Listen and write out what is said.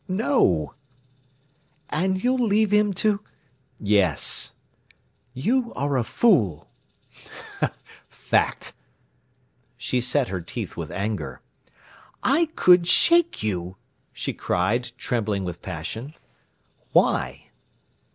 "No." "And you'll leave him to—?" "Yes." "You are a fool!" "Fact!" She set her teeth with anger. "I could shake you!" she cried, trembling with passion. "Why?"